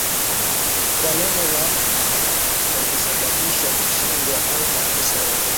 kwa neno lao wakisababisha kushindwa au makosa yoyote